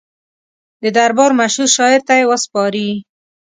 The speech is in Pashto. د دربار مشهور شاعر ته یې وسپاري.